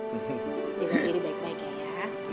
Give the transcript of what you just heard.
jangan kiri baik baik ya ya